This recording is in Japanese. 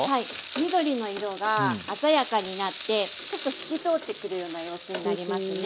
緑の色が鮮やかになってちょっと透き通ってくるような様子になりますね。